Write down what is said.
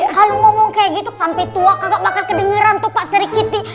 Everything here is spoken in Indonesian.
kalau ngomong kayak gitu sampai tua kagak bakal kedengeran tuh pak seri kitih